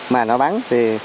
mà nó bắn thì